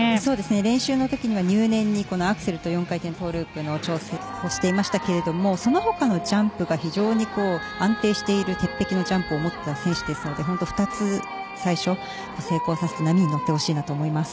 練習のときには入念にアクセルと４回転トゥループの調整をしていましたがその他のジャンプが非常に安定している鉄壁のジャンプを持った選手ですので２つ、最初、成功させて波に乗ってほしいと思います。